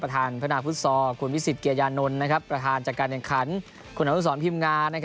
ประธานพนักฟุตซอร์คุณวิสิตเกียร์ยานนท์นะครับประธานจักรการเนื้อคันคุณอาทุนสอนพิมงานะครับ